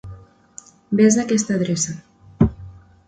Ves a aquesta adreça.